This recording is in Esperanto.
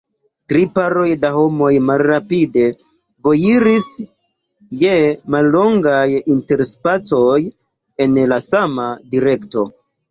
Tri paroj da homoj malrapide vojiris, je mallongaj interspacoj, en la sama direkto.